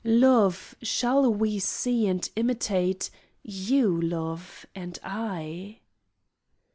Love, shall we see and imitate, You, love, and I?